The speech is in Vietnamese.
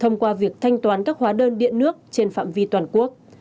thông qua việc thanh toán các hóa đơn điện nước trên phạm vi toàn quốc